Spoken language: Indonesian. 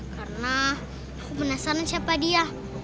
karena aku penasaran siapa dia